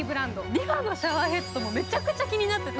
リファのシャワーヘッドもめちゃくちゃ気になってた。